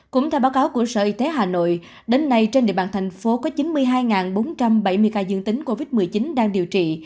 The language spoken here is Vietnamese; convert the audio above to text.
cũng theo báo cáo của sở y tế hà nội đến nay trên địa bàn thành phố có chín mươi hai bốn trăm bảy mươi ca dương tính covid một mươi chín đang điều trị